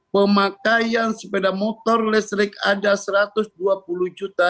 pemakaian sepeda motor listrik ada satu ratus dua puluh juta